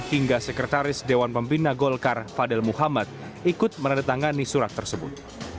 hingga sekretaris dewan pembina golkar fadil muhammad ikut menandatangani surat tersebut